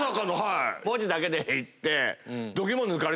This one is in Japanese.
文字だけでいって。